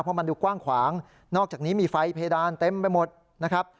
เพราะมันดูกว้างขวางนอกจากนี้มีไฟเพดานเต็มไปหมดนะครับ